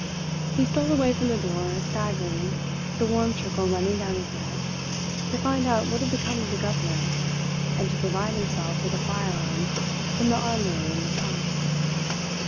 He stole away from the door, staggering, the warm trickle running down his neck, to find out what had become of the governor and to provide himself with a firearm from the armoury in the trunks.